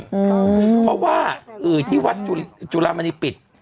อืมเพราะว่าที่วัดจุลามันนี่ปิด